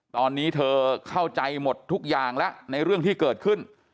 ตอนนี้เธอเข้าใจหมดทุกอย่างแล้วในเรื่องที่เกิดขึ้น